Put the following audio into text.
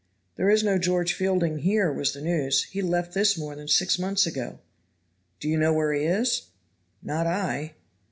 "There is no George Fielding here," was the news. "He left this more than six months ago." "Do you know where he is?" "Not I."